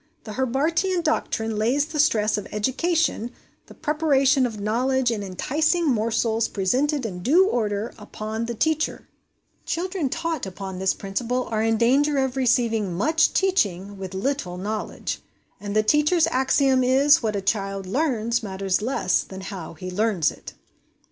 The Herbartian doctrine lays the stress of education the preparation of knowledge in enticing morsels, presented in due order upon the teacher. Children PREFACE TO THE l HOME EDUCATION ' SERIES XV taught upon this principle are in danger of receiving much teaching with little knowledge ; and the teacher's axiom is, c What a child learns matters less than how he learns it.'